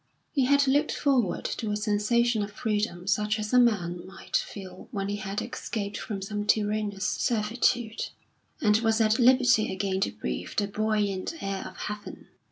He had looked forward to a sensation of freedom such as a man might feel when he had escaped from some tyrannous servitude, and was at liberty again to breathe the buoyant air of heaven.